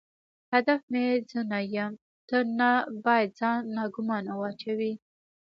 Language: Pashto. هدف مې زه نه یم، ته نه باید ځان ناګومانه واچوې.